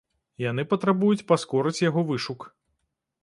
Яны патрабуюць паскорыць яго вышук.